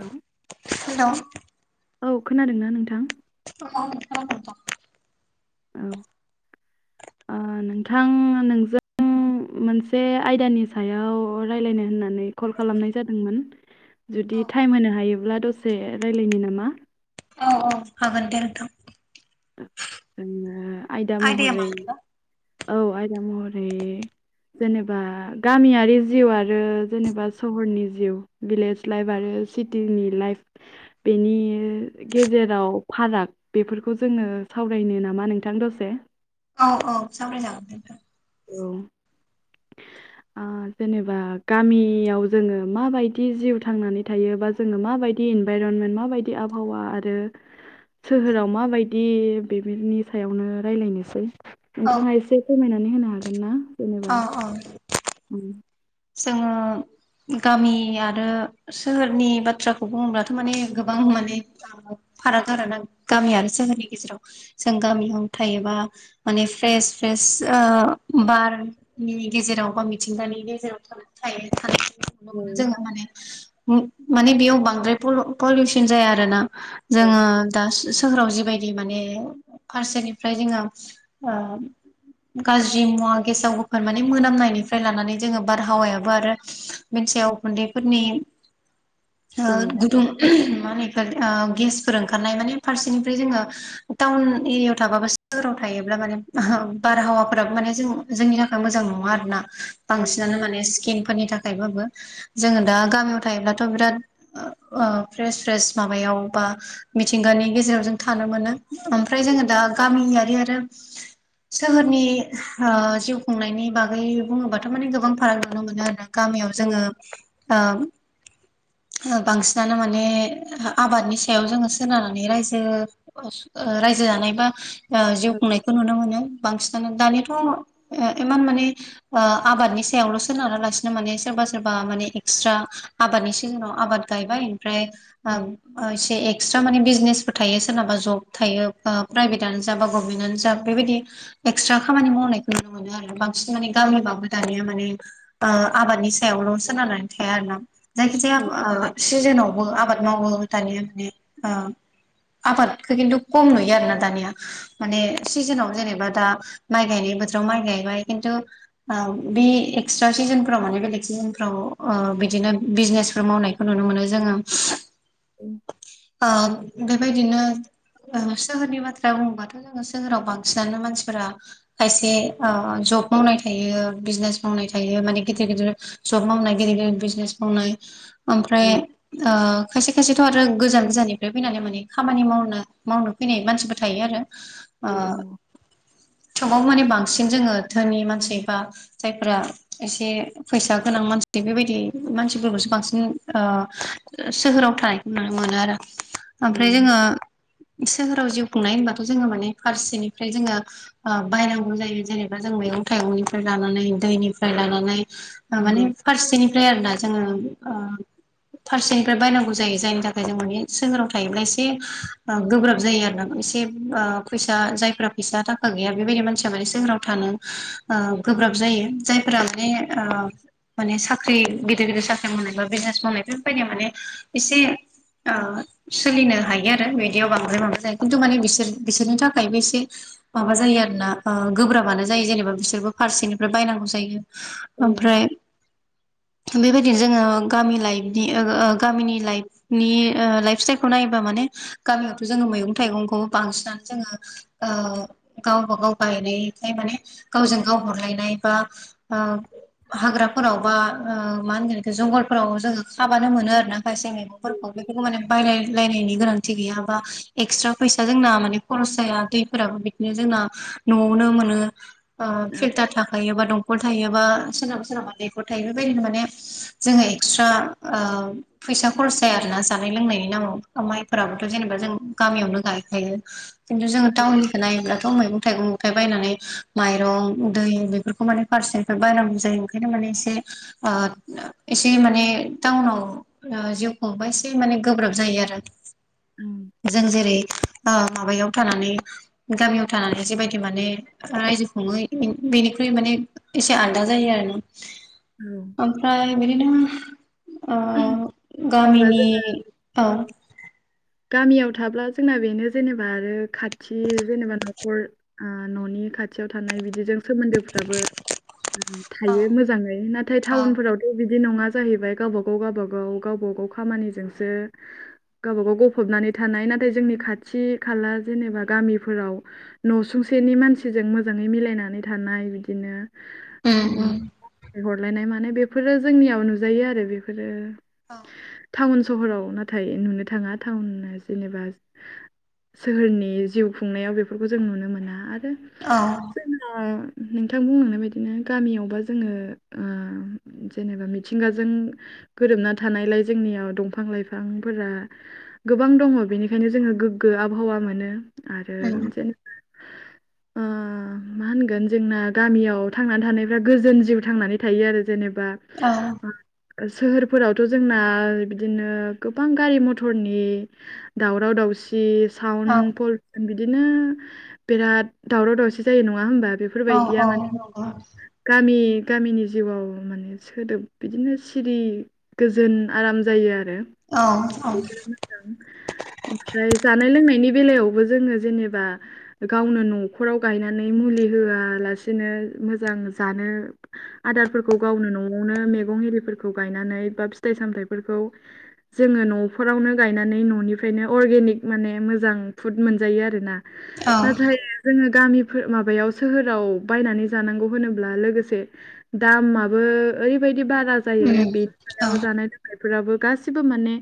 औ हेल' औ खोनादोंना नोंथां? [inaudible] औ ओ नोंथां नोंजों आं मोनसे आयदानि सायाव रायलायनो होननानै कल खालामनाय जादोंमोन जुदि टाइम होनो हायोब्ला दसे रायलायनि नामा? औ औ हागोन दे नोंथां। ओं आयदा आयदाया महरै मामोनबा औ आयदा महरै जेनेबा गामियारि जिउ आरो जेनेबा सहरनि जिउ भिलेज लाइफ आरो सिटिनि लाइफ बेनि गेजेराव फाराग बेफोरखौ जोङो सावरायनो नामा नोंथां दसे औ औ सावराय जागोन दे नोंथां औ ओ जेनेबा गामियाव जोङो माबायदि जिउ थांनानै थायोबा जोङो माबायदि इनभाइरनमेन्ट माबायदि आबहावा आरो सोहोराव माबायदि बेफोरनि सायावनो रायलायनोसै नोंथाङा एसे फोरमायनानै होनो हागोन ना जेनेबा अ अ उम जोङो गामि आरो सोहोरनि बाथ्राखौ बुङोब्लाथ' माने गोबां माने फाराग आरो ना गामि आरो सोहोरनि गेजेराव जों गामियाव थायोबा माने फ्रेस फ्रेस ओ बारनि गेजेराव बा मिथिंगानि गेजेराव थायो सल औ मोनो जोङो माने माने बेयाव बांद्राय पलिउसन जाया आरो ना औ जोङो द सोहोराव जिबायदि माने फारसेनिफ्राय जोङो ओ गाज्रि मुवा गेसाव गोफोन माने मोनामनायनिफ्राय लानानै जोङो बारहावायाबो आरो बेनि सायाव उखुन्दैफोरनि ओ औ गुदुं मा होनो इखौ ओ गेसफोर ओंखारनाय माने फारसेनिफ्राय जोङो टाउन एरियाायाव थाबा बा सोहोराव थायोब्ला माने बारहावाफोराबो माने जों जोंनि थाखाय मोजां नङा आरोना बांसिनानो माने स्किनफोरनि थाखायबाबो जोङो दा गामियाव थायोब्लाथ' बिराद ओ फ्रेस फ्रेस माबायाव बा मिथिंगानि गेजेराव जों थानो मोनो ओमफ्राय जोङो दा गामियारि आरो सोहोरनि ओ जिउ खुंनायनि बागै बुङोबाथ' माने गो गोबां फाराग नुनो मोनो आरोना गामियाव जोङो ओ बांसिनानो माने आबादनि सायाव जोङो सोनारनानै रायजो ओ रायजो जानाय बा जिउ खुंनायखौ नुनो मोनो बांसिन दानियाथ' इमान माने ओ आबादनि सायावल' सोनारा लासिनो माने सोरबा सोरबा माने एक्सट्रा आबादनि सिजनाव आबाद गायबाय ओमफ्राय इसे एक्सट्रा माने बिजनेसफोर थायो सोरनाबा जब थायो प्राइभेटआनो जा बा गभमेन्टआनो जा बेबायदि एक्सट्रा खामानि मावनायखौ नुनो मोनो आरो बांसिन माने गामिबाबो दानिया मा आबादनि सायावल' सोनारनानै थाया आरोना जायखि जाया ओ सिजोनाव बो आबाद मावो दानिया बि ओ आबादखौ खिन्थु खम नुयो आरो ना दानिया माने सिजोनाव जेनेबा दा माइ गायनाय बोथोराव माइ गायबाय खिन्थु आ बे एक्सट्रा सिजोनफ्राव माने बेलेग सिजोनफ्राव बिदिनो बिजनेसफोर मावनायखौ नुनो मोनो जोङो आ बेबाय जनो सोहोरनि बाथ्राया बुङोबाथ' जोङो सोहोराव बांसिनानो मानसिफोरा खायसे जब मावनाय थायो बिजनेस मावनाय थायो माने गिदिर गिदिर जब मावनाय गिदिर गिदिर बिजनेस मावनाय ओमफ्राय औ खायसे खायसेथ' आरो गोजान गोजाननिफ्राय फैनानै माने खामानि मावनो मावनो फैनाय मानसिबो थायो आरो औ औ समाव माने बांसिन जोङो धोनि मानसि बा जायफोरा एसे फैसा गोनां मानसि बेबायदि मानसिफोरखौसो बांसिन सोहोराव थानायखौ नुनो मोनो आरो ओमफ्राय जोङो नंगौ सोहोराव जिउ खुंनाय होनबाथ' जोङो माने फारसेनिफ्राय जोङो ओ बायनांगौ जायो जेनेबा जों मैगं थाइगंनिफ्राय लानानै दैनिफ्राय लानानै ओ माने फारसेनिफ्राय आरोना जोङो ओ फारसेनिफ्राय बायनांगौ जायो जायनि थाखाय जों माने सगोराव थायोब्ला एसे ओ गोब्राब जायो आरोना एसे ओ फैसा जायफ्रा फैसा थाखा गैया बेबायदि मानसिया माने सोहोराव थानो ओ गोब्राब जायो जायफोरा माने ओ माने साख्रि गिदिर गिदिर साख्रि मावनाय बा बिजनेस मावनाय बेफोरबायदियाव माने एसे आ सोलिनो हायो आरो बिदियाव बांद्राय माबा जायो खिन्थु माने बिसोर बिसोरनि थाखायबो एसे माबा जायो आरोना ओ गोब्राबानो जायो जेनेबा बिसोरबो फारसेनिफ्राय बायनां जायो औ ओमफ्राय बेबायदिनो जोङो ओं ओ गामि लाइफनि गामिनि लाइफ नि लाइफ स्टाइलखौ नायोबा माने गामियावथ' जोङो मैगं थाइगंखौ बांसिनानो जोङो ओ गावबा गाव गायनायखाय माने गावजों गाव हरलायनाय बा आ हाग्राफोराव बा ओ मा होनगोन जंगलफोराव जोङो खाबानो मोनो आरोना खायसे मैगंफोर औ बेफोरखौ माने बायलायलायनायनि गोनांथि गैयाबा एक्सट्रा फैसा जोंना माने खरस जाया दैफोराबो बिदिनो जोंना न'आवनो मोनो। ओ फिल्टार थाखायोबा दंखल थायोबा सोरनाबा सोरनाबा दैखर थायो बेबायदिनो माने जोङो एक्सट्रा ओ फैसा खरस जाया आरो ना जानाय लोंनायनि नामाव माइफोराबोथ' जेनेबा जों गामियावनो गायखायो खिन्थु जोङो टाउननिखौ नायोब्लाथ' मैगं थाइगंफ्राय बायनानै माइरं दै बेफोरखौ माने फारसेनिफ्राय बायनांगौ जायो ओंखायनो माने एसे आ एसे माने टाउनाव जिउखौबा एसे माने गोब्राब जायो आरो। जों जेरै माबायाव थानानै गामियाव थानानै जिबायदि माने रायजो खुङो बेनि ख्रुय माने एसे आनदा जायो आरो ना। औ ओमफ्राय बिदिनो आ जेनेबा गामिनि जों औ गामियाव थाब्ला जोंना बेनो जेनेबा आरो खाथि जेनेबा न'खर आ न'नि खाथियाव थानाय बिदिजों सोमोन्दोफ्राबो औ थायो मोजाङै नाथाय औ टाउनफोराव' बिदि नङा जाहैबाय गावब गाव गावब गाव गावब गाव खामानिजोंसो गावब गाव फबनानै थानाय नाथाय जोंनि खाथि खाला जेनेबा गामिफोराव न'सुंसेनि मानसिजों मोजाङै मिलायनानै थानाय बिदिनो उम उम हरलायनाय माने बेफोरो जोंनियाव नुजायो आरो बेफोरो अ टाउन सहराव नाथाय नुनो थाङा टाउन जेनेबा सोहोरनि जिउ खुंनायाव बेफोरखौ जों नुनो मोना आरो औ जोङो नोंथां बुंनांनाय बदिनो गामियावबा जोङो आ जेनेबा मिथिंगाजों गोरोबना थानायलाय जोंनियाव दंफां लाइफांफोरा गोबां दङ बेनिखायनो जोङो गोग्गो आबहावा मोनो आरो उम जेन ओ मा होनगोन जोंना गामियाव थांनानै थानायफ्रा गोजोन जिउ थांनानै थायो आरो जेनेबा औ सोहोरफोरावथ' जोंना बिदिनो गोबां गारि मथरनि दावराव दावसि सावन औ प बिदिनो बिराद दावराव दावसि जायो नङा होमबा बे औ बेफोरबायदिया नंगौ माने गामि गामिनि जिउआव माने सोदोब बिदिनो सिरि गोजोन आराम जायो आरो। औ औ। ओमफ्राय जानाय लोंनायनि बेलायावबो जोङो जेनेबा गावनो न'फोराव गायनानै मुलि होआलासेनो मोजां जानो आदारफोरखौ गावनो न'आवनो मैगं एरिफोरखौ गायनानै बा फिथाइ सामथाइफोरखौ जोङो न'फोरावनो गायनानै न'निफ्रायनो अरगेनिक माने मोजां फुद मोनजायो आरोना। औ नाथाय जोङो गामिफोर माबायाव सोहोराव बायनानै जानांगौ होनोब्ला लोगोसे दामाबो ओरैबायदि बारा जायो बेनि सायाव जानाय लोंनायफोराबो गासिबो माने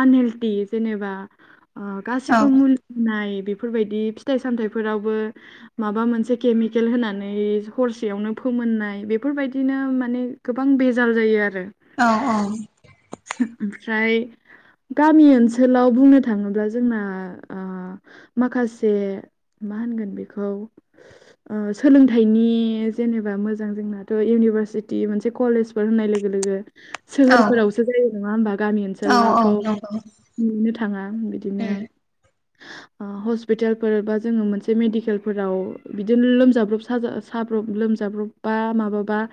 आनहेल्थि जेनेबा औ गासिबो ओ मुलि नाय बेफोरबायदि फिथाइ सामथायाइफोरावबो माबा मोनसे केमिकेल होनानै हरसेयावनो फोमोननाय बेफोरबायदिनो माने गोबां बेजाल जायो आरो। औ औ। ओमफ्राय गामि ओनसोलाव बुंनो थाङोब्ला जोंना ओ माखासे मा होनगोन बेखौ ओ सोलोंथाइनि जेनेबा मोजां जोंनाथ' इउनिभारसिटि मोनसे कलेज फोर होननाय लोगो लोगो सोहोरफोरावसो जायो नङा होनबा? गामि औ ओनसोलाव औ नंगौ। नुनो थाङा बिदिनो उम ओ हस्पिटालफोर बा जोङो मोनसे मेडिकेलफोराव बिदिनो लोमजाब्रब साजा साब्रब लोमजाब्रब बा माबाबा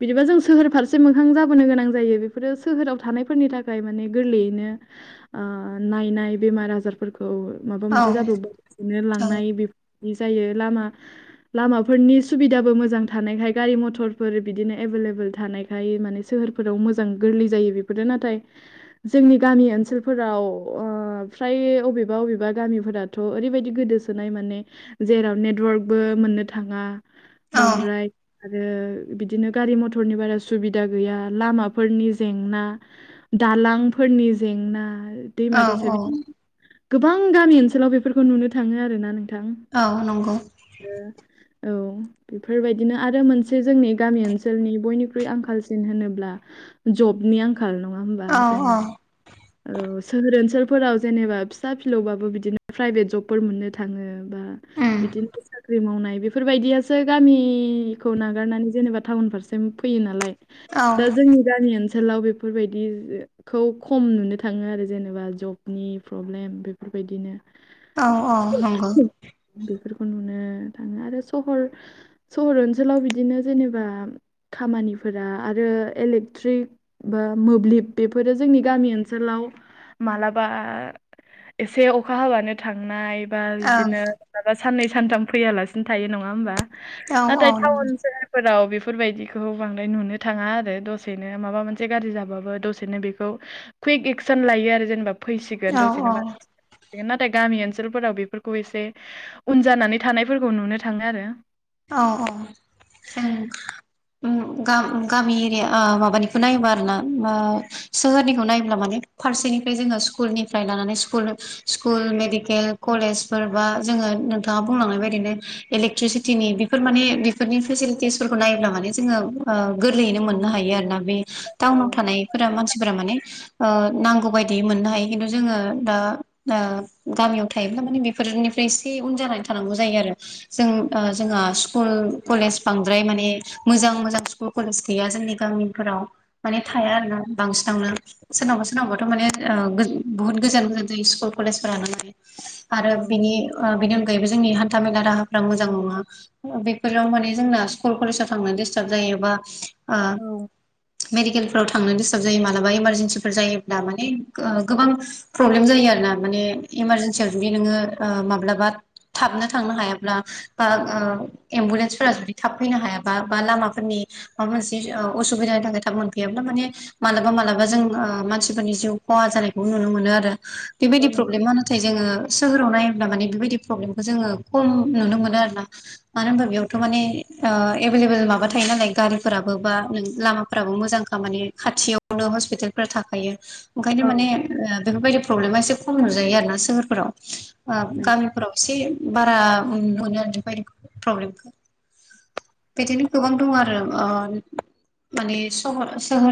बिदिबा जों सोहोर फारसे मोखां जाबोनो गोनां जायो बेफोरो सोहोराव थानायफोरनि थाखाय माने गोरलै यैनो नायनाय बेमार आजारफोरखौ माबा मोनसे औ औ जाब्रबबा बिदिनो लांनाय बेफोरदि जायो लामा लामाफोरनि सुबिदाबो मोजां थानायखाय गारि मथरफोर बिदिनो एभेलेबोल थानाय खायय माने सोहोरफोराव मोजां गोरलै जायो बेफोरो। नाथाय जोंनि गामि ओनसोलफोराव ओ ओ फ्राय बबेबा अबेबा गामिफोराथ' ओरैबायदि गोदोसोनाय माने जेराव नेटवर्कबो मोननो थाङा बांद्राय आरो बिदिनो गारि मथरनि बारा सुबिदा गैया लामाफोरनि जेंना दालांफोरनि जेंना औ दैमा दैसा औ बिदि गोबां गामि ओनसोलाव बेफोरखौ नुनो थाङो आरोना नोंथां। औ नंगौ ओ औ। बेफोरबादिनो आरो मोनसे जोंनि गामि ओनसोलनि आंखालसिन होनोब्ला जबनि आंखाल नङा होमबा औ औ जोङो औ सोहोर ओनसोलफोराव जेनेबा फिसा फिलौबाबो बिदिनो प्राइभेट जबफोर मोननो थाङो‌ बा उम बिदिनो साख्रि मावनाय बे फोरबायदियासो गामिखौ नागारनानै जेनेबा टाउन फारसे फैयो नालाय। औ दा जोंनि गामि ओनसोलाव बेफोरबायदिखौ खम नुनो थाङो आरो जेनेबा जबनि प्रब्लेम बेफोरबायदिनो औ औ नंगौ। बेफोरखौ नुनो थाङो आरो सहर सहर ओनसोलाव बिदिनो जेनेबा खामानिफोरा आरो इलेक्ट्रिक बा मोब्लिब बेफोरो जोंनि गामि ओनसोलाव मालाबा एसे अखा हाबानो थांनाय बा बिदिनो मालाबा साननै सानथाम फैयालासिनो थायो नङा होमबा? औ नाथाय टाउन सोहोर सोहोरफोराव बेफोरबायदिखौ बांद्राय नुनो थाङा आरो दसेनो माबा मोनसे गाज्रि जाबाबो दसेनो बेखौ कुइक एक्सन लायो आरो जेनेबा फैसिगोन दसेनो नाथाय गामि ओनसोलफोराव बेफोरखौ एसे उन जानानै थानायफोरखौ नुनो थाङो आरो औ औ जों गामि एरिया माबानिखौ नायोबा आरो ना सोहोरनिखौ नायोब्ला माने फारसेनिफ्राय जोङो स्कुलनिफ्राय लानानै स्कुल स्कुल मेडिकेल कलेज फोर बा जोङो नोंथाङा बुंलांनाय बायदिनो इलेकट्रिसिटि बेफोर माने बेफोरनि फेसिलिटिसफोरखौ नायोब्ला माने जोङो गोरलैयैनो मोननो हायो आरो ना बे औ टाउनाव थानायफोरा मानसिफोरा माने नांगौ बायदि मोननो हायो खिन्थु जोङो दा गामियाव थायोब्ला माने बे फोरनिफ्राय एसे उन जानानै थानांगौ जायो आरो जों जोंहा स्कुल कलेज बांद्राय माने मोजां मोजां स्कुल कलेज गैया जोंनि गामिफोराव माने थाया आरो ना बांसिनावनो सोरनावबा सोरनावबाथ' माने बुहुत गोजान गोजान जायो स्कुल कलेजफोरानो माने आरो औ बिनि बेनि अनगायैबो जोंनि हान्था मेला राहाफ्रा मोजां मोजां नोआ बेफोराव माने जोंना स्कुल कलेजाव थांनो डिस्टाब जायो बा ओ औ मेडिकेल फोराव थांनो डिस्टाब जायो मालाबा इमारजेन्सिफोर जायोब्ला माने गोबां प्रब्लेम जायो आरो ना माने इमारजेन्सियाव जुदि नोङो माब्लाबा थाबनो थांनो हायाब्ला बा एम्बुलेन्सफोरा जुदि थाब फैनो हायाबा बा लामाफोरनि माबा मोनसे असुबिदानि थाखाय थाब मोनफैयाब्ला माने मालाबा मालाबा जों मानसिफोरनि जिउ खहा जानायखौ नुनो मोनो आरो बेबायदि नंगौ प्रब्लेमा नाथाय जोङो सोहोराव नायोब्ला माने बेबायदि प्रब्लेमखौ जोङो खम नुनो मोनो आरो बा [unintelligible] मानो होनबा बेयावथ' माने एभेलेबेल माबा थायो नालाय गारिफोराबो बा नों लामाफोराबो मोजांखा माने खाथियावनो हस्पिटाल फोर थाखायो ओंखायनो औ माने बेफोरबायदि प्रब्लेमा एसे खम नुजायो आरो ना सोहोरफोराव नंगौ गामिफोराव एसे बारा मोनो आरो बायदि प्रब्लेमखो बिदिनो गोबां दं आरो ओ माने सोहोर